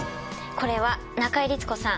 これは中井律子さん